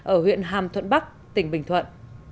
ở huyện hàm thuận bắc tỉnh bình thuận